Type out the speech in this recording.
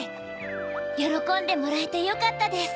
よろこんでもらえてよかったです。